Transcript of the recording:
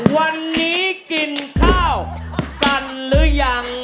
วันนี้กินข้าวกันหรือยัง